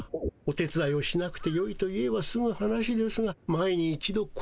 お手つだいをしなくてよいと言えばすむ話ですが前に一度ことわった時。